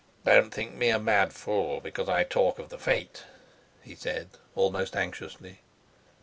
"Don't think me a mad fool, because I talk of the fate," he said, almost anxiously.